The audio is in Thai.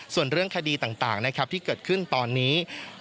ส่วนเรื่องคดีต่างนะครับที่เกิดขึ้นตอนนี้